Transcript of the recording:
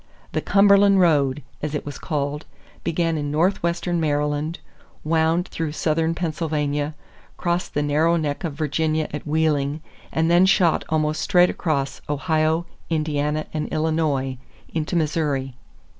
The Cumberland Road, as it was called, began in northwestern Maryland, wound through southern Pennsylvania, crossed the narrow neck of Virginia at Wheeling, and then shot almost straight across Ohio, Indiana, and Illinois, into Missouri.